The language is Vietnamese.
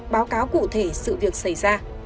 báo cáo cụ thể sự việc xảy ra